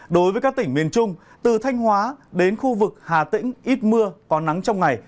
đối với các tỉnh miền trung từ thanh hóa đến khu vực hà tĩnh ít mưa có nắng trong ngày